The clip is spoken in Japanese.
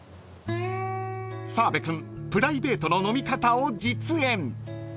［澤部君プライベートの飲み方を実演！］